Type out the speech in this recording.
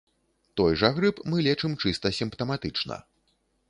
Той жа грып мы лечым чыста сімптаматычна.